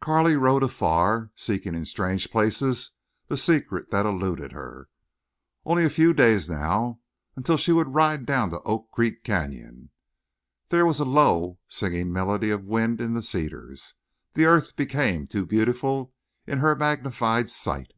Carley rode afar, seeking in strange places the secret that eluded her. Only a few days now until she would ride down to Oak Creek Canyon! There was a low, singing melody of wind in the cedars. The earth became too beautiful in her magnified sight.